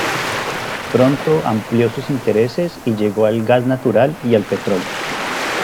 Pronto amplió sus intereses y llegó al gas natural y al petróleo.